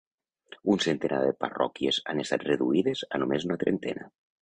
Un centenar de parròquies han estat reduïdes a només una trentena.